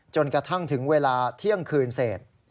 จนถึงเวลาที่ท่องคืนเสต